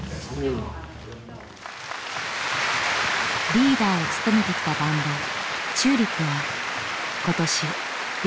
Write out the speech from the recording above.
リーダーを務めてきたバンドＴＵＬＩＰは今年デビュー５０周年。